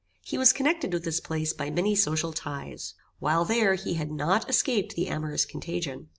He was connected with this place by many social ties. While there he had not escaped the amorous contagion.